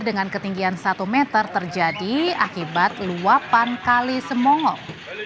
dengan ketinggian satu meter terjadi akibat luapan kali semongok